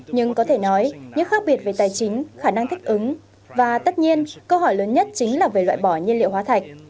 nhưng có thể nói những khác biệt về tài chính khả năng thích ứng và tất nhiên câu hỏi lớn nhất chính là về loại bỏ nhiên liệu hóa thạch